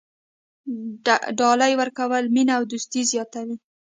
ډالۍ ورکول مینه او دوستي زیاتوي.